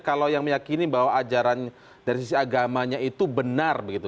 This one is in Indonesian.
kalau yang meyakini bahwa ajaran dari sisi agamanya itu benar begitu